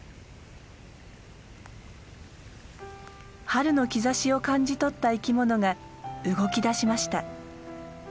春の兆しを感じ取った生きものが動きだしました。